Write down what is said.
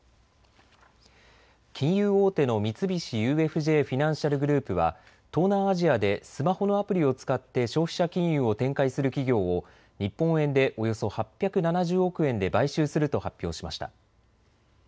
金融大手の三菱ＵＦＪフィナンシャル・グループは東南アジアでスマホのアプリを使って消費者金融を展開する企業を日本円でおよそ８７０億円で買収すると発表しました。